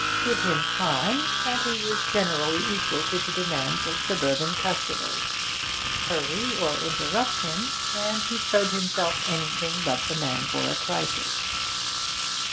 Give him time, and he was generally equal to the demands of suburban customers; hurry or interrupt him, and he showed himself anything but the man for a crisis.